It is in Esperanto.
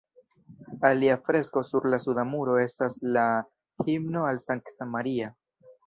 Alia fresko sur la suda muro estas la "Himno al Sankta Maria".